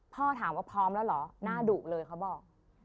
พ่อถามว่าพร้อมแล้วเหรอหน้าดุเลยเขาบอก